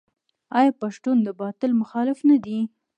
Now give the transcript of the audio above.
آیا پښتون د باطل مخالف نه دی؟